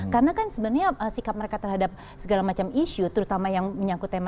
karena kan sebenarnya sikap mereka terhadap segala macam issue terutama yang menyangkut tema ini ya